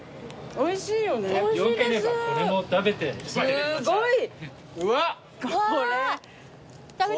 おいしい。